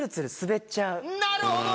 なるほど！